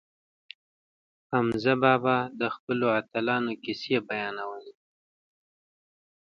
حمزه بابا د خپلو اتلانو کیسې بیانولې.